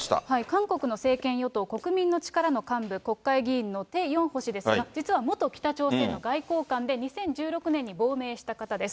韓国の政権与党・国民の力の幹部、国会議員のテ・ヨンホ氏ですが、実は元北朝鮮の外交官で２０１６年に亡命した方です。